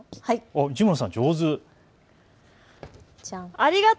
市村さん、上手。